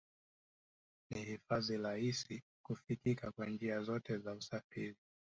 Ni hifadhi rahisi kufikika kwa njia zote za usafiri